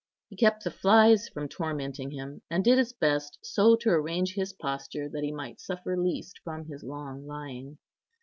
He kept the flies from tormenting him, and did his best so to arrange his posture that he might suffer least from his long lying.